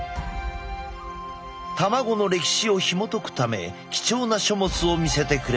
卵の歴史をひもとくため貴重な書物を見せてくれた。